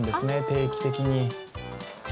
定期的に。